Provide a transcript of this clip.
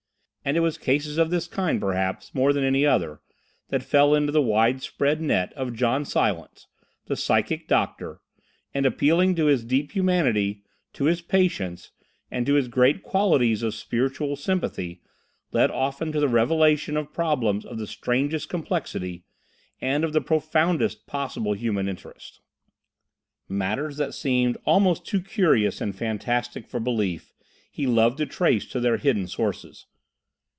And it was cases of this kind, perhaps, more than any other, that fell into the wide spread net of John Silence, the psychic doctor, and, appealing to his deep humanity, to his patience, and to his great qualities of spiritual sympathy, led often to the revelation of problems of the strangest complexity, and of the profoundest possible human interest. Matters that seemed almost too curious and fantastic for belief he loved to trace to their hidden sources.